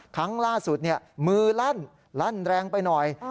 ครั้งล่าสุดมือลั่นลั่นแรงไปหน่อย